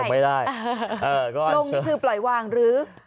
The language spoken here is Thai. ปลงนี่คือปล่อยวางหรือ